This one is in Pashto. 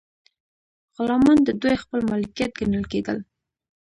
غلامان د دوی خپل مالکیت ګڼل کیدل.